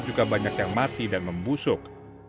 juga banyak yang mati dan membusuk